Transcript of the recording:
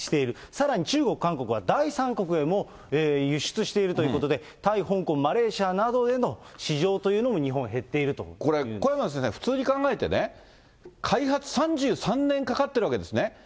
さらに中国、韓国は、第三国へも輸出しているということで、タイ、香港、マレーシアなどへの市場というのも、日本、これ、小山先生、普通に考えて、開発３３年かかっているわけですね。